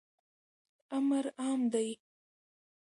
امر عام دی.